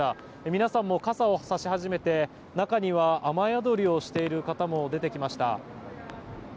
皆さんも傘をさし始めて中には雨宿りをしている方も出てきました。